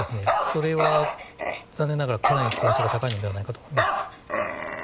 それは、残念ながらかなり可能性が高いのではないかと思います。